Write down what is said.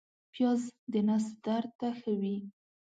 پیاز د نس درد ته ښه وي